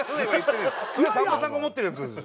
それさんまさんが思ってるやつです。